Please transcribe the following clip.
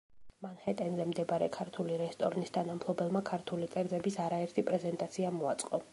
მანჰეტენზე მდებარე ქართული რესტორნის თანამფლობელმა, ქართული კერძების არაერთი პრეზენტაცია მოაწყო.